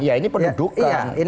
ya ini pendudukan